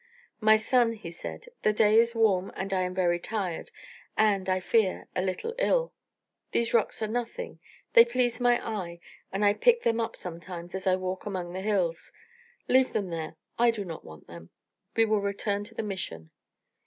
'My son,' he said,'the day is warm and I am very tired, and, I fear, a little ill. These rocks are nothing. They please my eye, and I pick them up sometimes as I walk among the hills. Leave them there. I do not want them. We will return to the Mission.'